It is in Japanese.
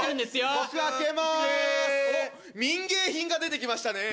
僕開けまーすおっ民芸品が出てきましたね